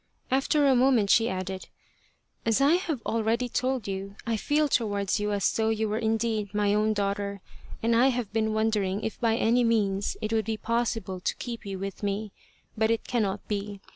After a moment she added :" As I have already told you, I feel towards you as though you were indeed my own daughter, and I have been wondering if by any means it would be possible to keep you with me. But it cannot be.